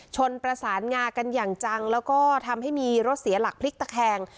ชนประสานงากันอย่างจังแล้วก็ทำให้มีรถเสียหลักพลิกตะแคง